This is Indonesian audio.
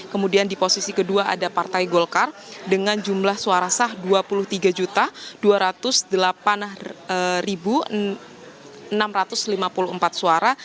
kemudian di posisi kedua ada partai golkar dengan jumlah suara sah dua puluh tiga dua ratus delapan enam ratus lima puluh empat suara